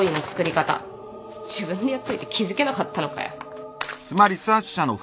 自分でやっといて気付けなかったのかよ？